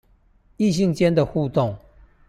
異性間的互動